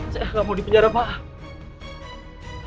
saya nggak mau di penjara pak